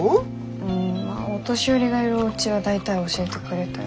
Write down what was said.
うんまあお年寄りがいるおうちは大体教えてくれたよ。